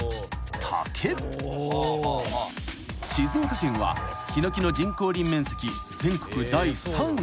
［静岡県はヒノキの人工林面積全国第３位］